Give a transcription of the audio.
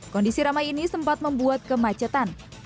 kondisi ramai ini sempat membuat kemacetan